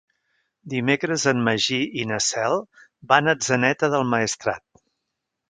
Dimecres en Magí i na Cel van a Atzeneta del Maestrat.